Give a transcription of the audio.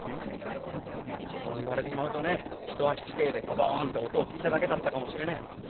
そう言われちまうとね一足違えでドボンって音を聞いただけだったかもしれねえ。